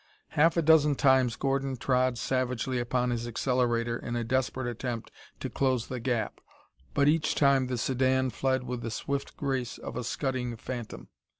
Half a dozen times Gordon trod savagely upon his accelerator in a desperate attempt to close the gap, but each time the sedan fled with the swift grace of a scudding phantom.